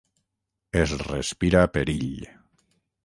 Es respira perill.